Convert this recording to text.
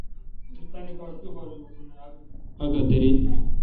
اگا دریل